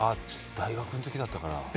大学の時だったかな。